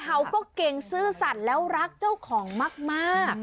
เขาก็เก่งซื่อสัตว์แล้วรักเจ้าของมาก